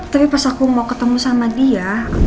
tapi pas aku mau ketemu sama dia